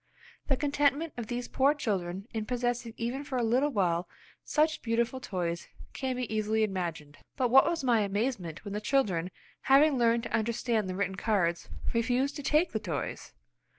The contentment of these poor children in possessing even for a little while such beautiful toys can be easily imagined. But what was my amazement, when the children, having learned to understand the written cards, refused to take the toys!